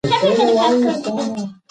ملالۍ د وطن د غیرت یوه نمونه سوه.